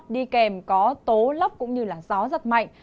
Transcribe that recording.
đi kèm có tố lốc cũng như là gió giật mạnh